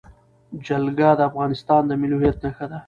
جلګه د افغانستان د ملي هویت نښه ده.